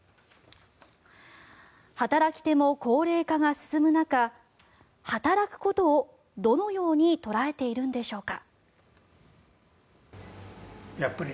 働き手も高齢化が進む中働くことをどのように捉えているのでしょうか。